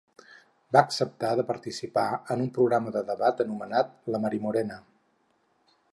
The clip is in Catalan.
Va acceptar de participar en un programa de debat anomenat ‘La Marimorena’.